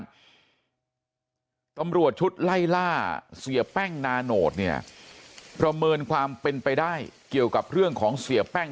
ตำรวจชุดไล่ล่าเสียแป้งนาโนตเนี่ยประเมินความเป็นไปได้เกี่ยวกับเรื่องของเสียแป้ง